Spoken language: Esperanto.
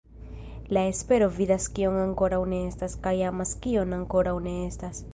La espero vidas kion ankoraŭ ne estas kaj amas kion ankoraŭ ne estas".